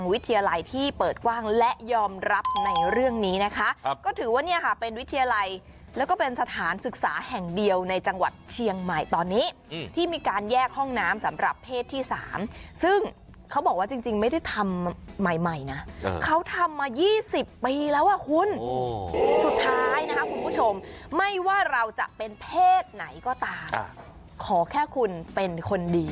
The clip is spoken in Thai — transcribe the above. วิทยาลัยและก็เป็นสถานศึกษาแห่งเดียวในจังหวัดเชียงใหม่ตอนนี้ที่มีการแยกห้องน้ำสำหรับเพศที่สามซึ่งเขาบอกว่าจริงไม่ได้ทำใหม่นะเขาทำมา๒๐ปีแล้วะคุณสุดท้ายนะคะคุณผู้ชมไม่ว่าเราจะเป็นเพศไหนก็ตามขอแค่คุณเป็นคนดี